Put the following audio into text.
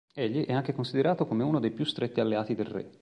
Egli è anche considerato come uno dei più stretti alleati del Re.